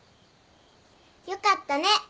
よかったね。